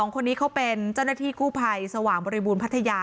คนนี้เขาเป็นเจ้าหน้าที่กู้ภัยสว่างบริบูรณพัทยา